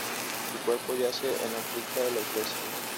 Su cuerpo yace en la cripta de la iglesia.